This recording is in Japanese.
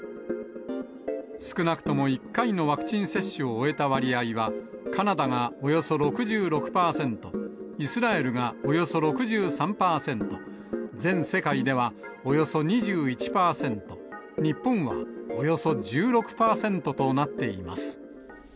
少なくとも１回のワクチン接種を終えた割合は、カナダがおよそ６６％、イスラエルがおよそ６３％、全世界ではおよそ２１％、日本はおよそ１６％となっています。